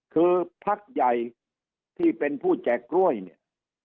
คือพักใหญ่ที่เป็นผู้แจกกล้วยเนี่ย